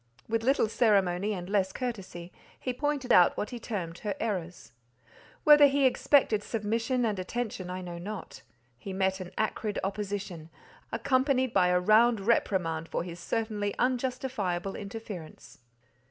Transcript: With little ceremony, and less courtesy, he pointed out what he termed her errors. Whether he expected submission and attention, I know not; he met an acrid opposition, accompanied by a round reprimand for his certainly unjustifiable interference.